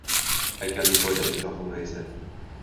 Haykalning poyida ijroqo‘m raisi.